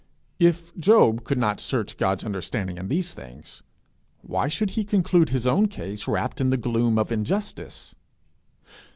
If Job could not search his understanding in these things, why should he conclude his own case wrapt in the gloom of injustice?